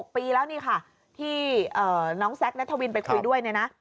ปีแล้วนี่ค่ะที่น้องแซคนัทวินไปคุยด้วยเนี่ยนะ